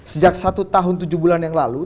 sejak satu tahun tujuh bulan yang lalu